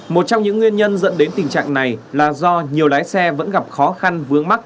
một trong những nguyên nhân dẫn đến tình trạng này là do nhiều lái xe vẫn gặp khó khăn vướng mắt